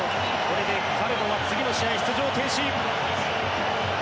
これでカルボは次の試合、出場停止。